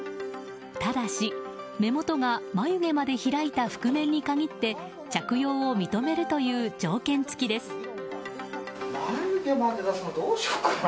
ただし、目元が眉毛まで開いた覆面に限って着用を認めるという条件付きです。